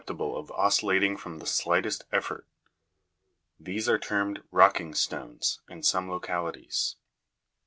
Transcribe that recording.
tible of oscillating from the slightest effort ; these are termed rock ing stones, in some localities.